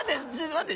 待って！